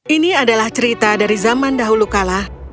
ini adalah cerita dari zaman dahulu kala